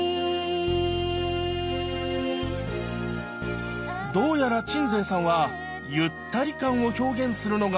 どうやら鎮西さんはゆったり感を表現するのが苦手なのかな？